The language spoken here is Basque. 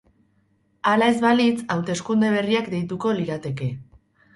Hala ez balitz, hauteskunde berriak deituko lirateke.